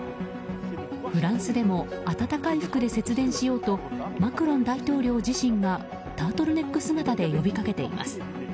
フランスでも暖かい服で節電しようとマクロン大統領自身がタートルネック姿で呼びかけています。